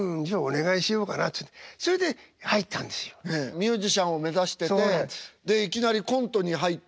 ミュージシャンを目指しててでいきなりコントに入って。